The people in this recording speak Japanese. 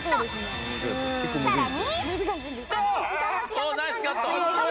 さらに